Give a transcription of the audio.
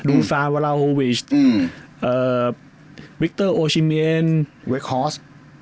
ูซาวาลาโฮวิชวิกเตอร์โอชิเมนเวคอร์ส